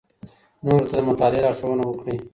نورو ته د مطالعې لارښوونه وکړئ.